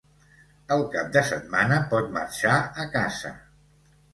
El cap de setmana pot marxar a casa.